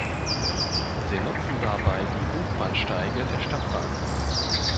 Sie nutzen dabei die Hochbahnsteige der Stadtbahn.